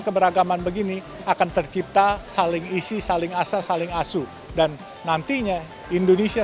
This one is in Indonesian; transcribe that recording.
keberagamaan begini akan tercipta salingisih saling asa saling asu dan nantinya indonesia